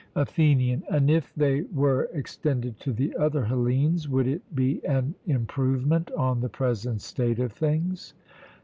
ATHENIAN: And if they were extended to the other Hellenes, would it be an improvement on the present state of things?